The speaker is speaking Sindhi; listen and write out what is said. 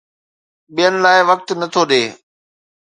ٻين لاءِ وقت نه ٿو ڏئي